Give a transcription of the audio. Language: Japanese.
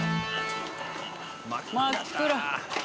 真っ暗。